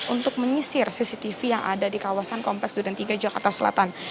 untuk menyisir cctv yang ada di kawasan kompleks u dua puluh tiga jakarta selatan